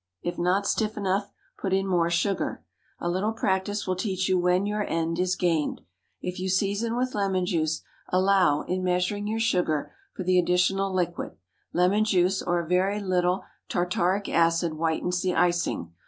If not stiff enough, put in more sugar. A little practice will teach you when your end is gained. If you season with lemon juice, allow, in measuring your sugar, for the additional liquid. Lemon juice or a very little tartaric acid whitens the icing.